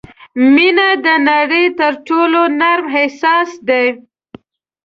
• مینه د نړۍ تر ټولو نرم احساس دی.